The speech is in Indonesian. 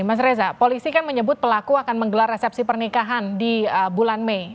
mas reza polisi kan menyebut pelaku akan menggelar resepsi pernikahan di bulan mei